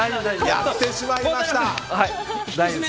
やってしまいました。